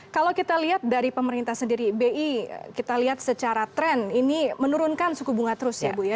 kalau kita lihat dari pemerintah sendiri bi kita lihat secara tren ini menurunkan suku bunga terus ya bu ya